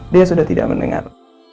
dia sudah tidak mendengar